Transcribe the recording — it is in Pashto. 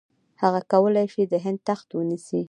هغه کولای شي د هند تخت ونیسي.